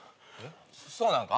そうなんか？